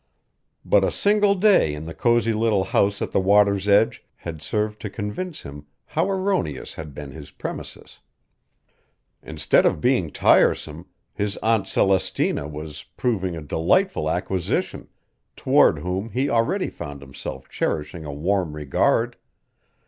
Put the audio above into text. But a single day in the cozy little house at the water's edge had served to convince him how erroneous had been his premises. Instead of being tiresome, his Aunt Celestina was proving a delightful acquisition, toward whom he already found himself cherishing a warm regard.